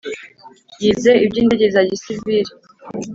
Yize iby’indege za gisivili